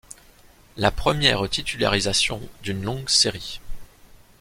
La première titularisation d’une longue série.